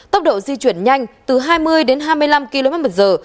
tốc độ di chuyển nhanh từ hai mươi đến hai mươi năm kmh